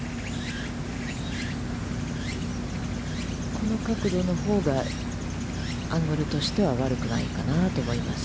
この角度のほうがアングルとしては、悪くないかなと思います。